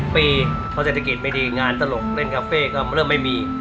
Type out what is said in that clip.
ปีเพราะเศรษฐกิจไม่ดีงานตลกเล่นคาเฟ่ก็เริ่มไม่มี